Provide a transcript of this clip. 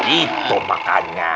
ih tuh makanya